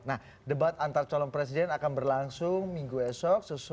nah debat antar calon presiden akan berlangsung minggu esok